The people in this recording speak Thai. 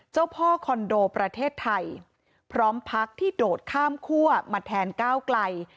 เจ้าพ่อคอนโดประเทศไทยพร้อมพักที่โดดข้ามคั่วมาแทนก้าวไกล